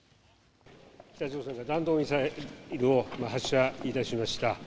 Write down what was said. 北朝鮮が弾道ミサイルを発射いたしました。